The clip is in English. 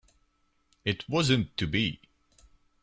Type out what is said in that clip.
It wasn't to be.